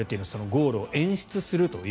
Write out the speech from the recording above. ゴールを演出すると。